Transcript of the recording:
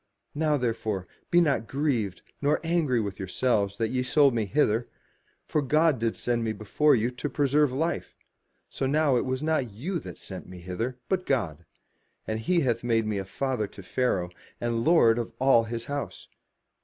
Now therefore be not grieved, nor angry with yourselves, that ye sold me hither: for God did send me before you to preserve life. So now it was not you that sent me hither, but God : and he hath made me a father to Pharaoh, and lord of all his house.